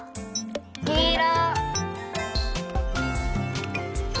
きいろ！